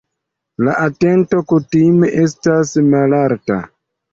La atento kutime estas malalta.